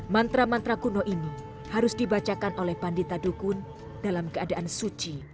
mantra mantra kuno ini harus dibacakan oleh pandita dukun dalam keadaan suci